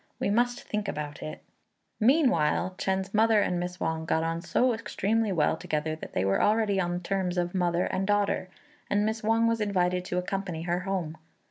We must think about it." Meanwhile, Chên's mother and Miss Wang got on so extremely well together that they were already on the terms of mother and daughter; and Miss Wang was invited to accompany her home.